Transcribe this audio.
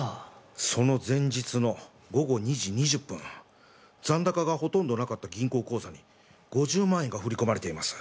その前日の午後２時２０分残高がほとんどなかった銀行口座に５０万円が振り込まれています。